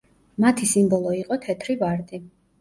მათი სიმბოლო იყო თეთრი ვარდი.